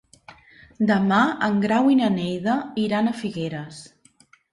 Demà en Grau i na Neida iran a Figueres.